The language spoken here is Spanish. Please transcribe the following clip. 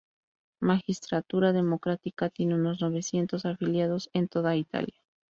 Magistratura democrática tiene unos novecientos afiliados en toda Italia.